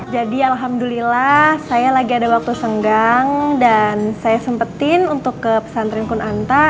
jadi alhamdulillah saya lagi ada waktu senggang dan saya sempetin untuk ke pesantren kunanta